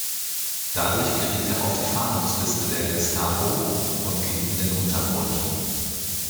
Dadurch geriet er auf die Fahndungsliste der Gestapo und ging in den Untergrund.